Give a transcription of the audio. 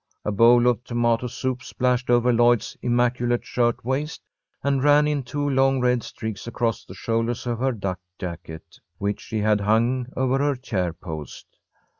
A bowl of tomato soup splashed over Lloyd's immaculate shirt waist and ran in two long red streaks across the shoulders of her duck jacket, which she had hung on her chair post.